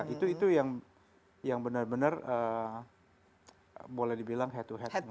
itu yang benar benar boleh dibilang head to head